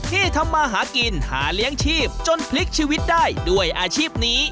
ที่ทำมาหากินหาเลี้ยงชีพจนพลิกชีวิตได้ด้วยอาชีพนี้